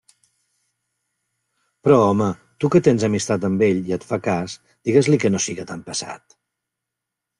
Però home, tu que tens amistat amb ell i et fa cas, digues-li que no siga tan pesat!